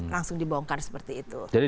langsung dibongkar seperti itu